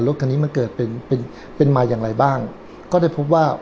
รถคันนี้มันเกิดเป็นเป็นมาอย่างไรบ้างก็ได้พบว่า